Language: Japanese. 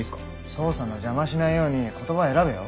捜査の邪魔しないように言葉選べよ。